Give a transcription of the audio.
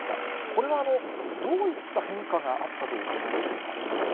これはどういった変化があったとお考えでしょうか。